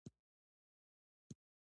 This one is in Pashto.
په ګرمۍ کې مارغانو ته اوبه کېږدئ.